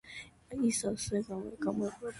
ის ასევე გამოიყენება დრუზების მიერ სირიაში.